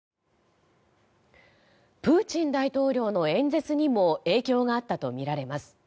プーチン大統領の演説にも影響があったとみられます。